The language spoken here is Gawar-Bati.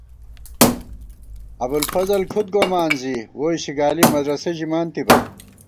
ابُوالفضل کُھد گومان زی، ووئی شِگالی مدرَسہ ژِمانتِبا